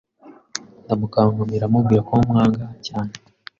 ndamukankamira mubwira ko mwanga cyane